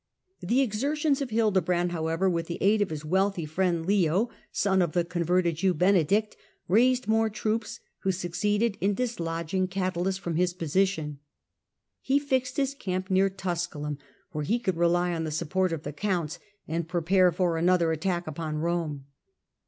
The exertions of Hildebrand, however, with the aid of his wealthy friend Leo, son of the converted Jew, Benedict, raised more troops, who succeeded in dislodging Cadalus from his position. He fixed his camp near Tusculum, where he could rely on the support of the counts and prepare for another attack upon Rome.